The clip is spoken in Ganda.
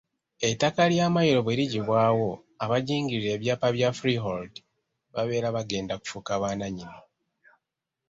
Ettaka lya Mmayiro bwe liggyibwawo, abajingirira ebyapa bya ‘Freehold’ babeera bagenda kufuuka bannannyini.